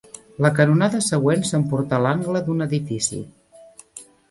La canonada següent s'emportà l'angle d'un edifici